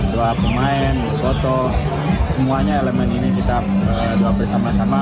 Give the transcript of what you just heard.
doa pemain foto semuanya elemen ini kita doa bersama sama